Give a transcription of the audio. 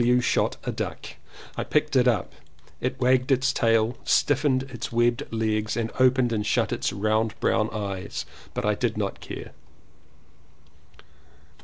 W. shot a wild duck. I picked it up. It wagged its tail, stiffened its webbed legs and opened and shut its round brown eyes, but I did not care.